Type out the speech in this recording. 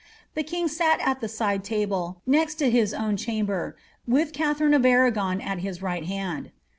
The king sat at the side table, next to his own cham ber,' with Katharine of Arragon at his right hand.